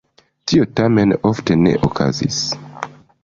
Tio tamen ofte ne okazis.